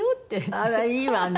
あらいいわね。